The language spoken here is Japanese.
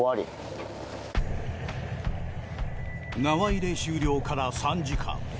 縄入れ終了から３時間。